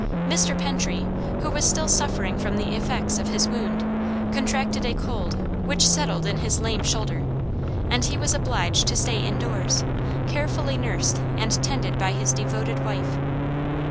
Mr. Pentry, who was still suffering from the effects of his wound, contracted a cold which settled in his lame shoulder, and he was obliged to stay in doors, carefully nursed and tended by his devoted wife.